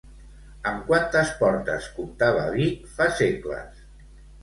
Amb quantes portes comptava Vic fa segles?